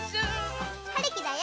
はるきだよ。